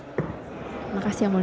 terima kasih yang mulia